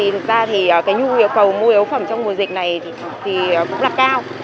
thực ra nhu yếu cầu mua yếu phẩm trong mùa dịch này cũng là cao